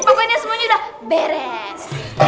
pokoknya semuanya udah beres